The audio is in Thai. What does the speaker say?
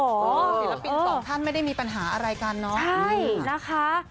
ศิลปินสองท่านไม่ได้มีปัญหาอะไรกันเนาะใช่นะคะ